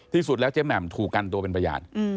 ที่สุดแล้วเจ๊แหม่มถูกกันตัวเป็นพยาน